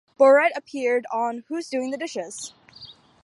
Bourret appeared on Who's Doing the Dishes?